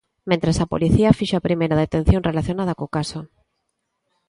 Mentres, a policía fixo a primeira detención relacionada co caso.